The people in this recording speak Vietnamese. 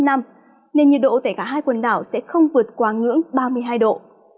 nên nhiệt độ tại cả hai quần đảo sẽ không vượt quá ngưỡng ba mươi hai độ